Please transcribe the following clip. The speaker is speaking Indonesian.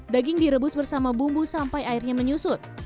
daging direbus bersama bumbu sampai airnya menyusut